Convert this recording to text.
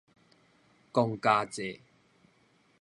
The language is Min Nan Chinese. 公家債